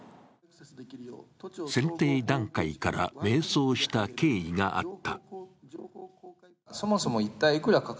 選定段階から迷走した経緯があった。